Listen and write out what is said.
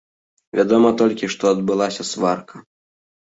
Вядома толькі, што адбылася сварка.